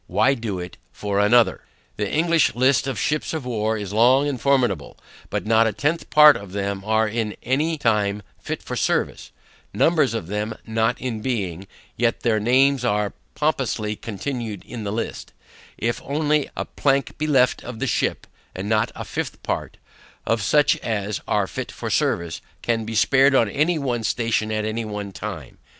Why do it for another? The English list of ships of war, is long and formidable, but not a tenth part of them are at any time fit for service, numbers of them not in being; yet their names are pompously continued in the list, if only a plank be left of the ship: and not a fifth part, of such as are fit for service, can be spared on any one station at one time.